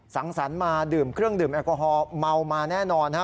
สังสรรค์มาดื่มเครื่องดื่มแอลกอฮอลเมามาแน่นอนฮะ